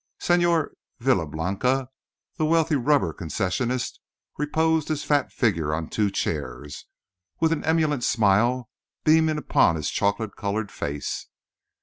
Señor Villablanca, the wealthy rubber concessionist, reposed his fat figure on two chairs, with an emollient smile beaming upon his chocolate coloured face.